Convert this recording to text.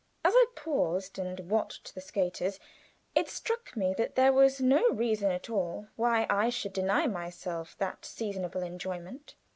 As I paused and watched the skaters, it struck me that there was no reason at all why I should deny myself that seasonable enjoyment.